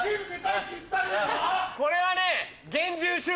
これはね。